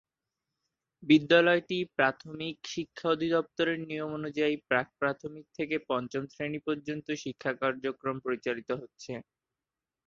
বিদ্যালয়টি প্রাথমিক শিক্ষা অধিদপ্তরের নিয়মানুযায়ী প্রাক-প্রাথমিক থেকে পঞ্চম শ্রেণি পর্যন্ত শিক্ষা কার্যক্রম পরিচালিত হচ্ছে।